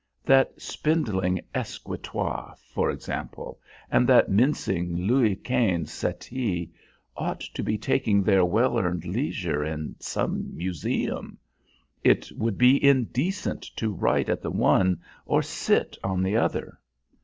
That spindling escritoire, for instance, and that mincing Louis Quinze settee, ought to be taking their well earned leisure in some museum. It would be indecent to write at the one or sit on the other.